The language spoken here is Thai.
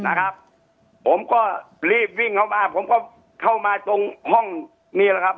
นะครับผมก็รีบวิ่งเข้ามาผมก็เข้ามาตรงห้องนี่แหละครับ